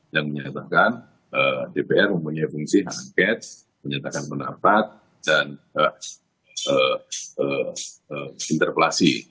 yang menyatakan dpr mempunyai fungsi hak angket menyatakan pendapat dan interpelasi